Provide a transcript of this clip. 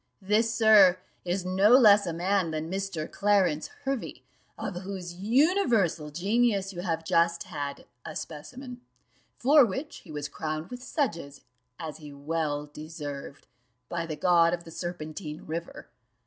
This, sir, is no less a man than Mr. Clarence Hervey, of whose universal genius you have just had a specimen; for which he was crowned with sedges, as he well deserved, by the god of the Serpentine river.